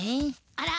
あら！